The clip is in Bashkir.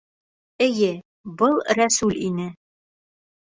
Эйе, был Рәсүл ине.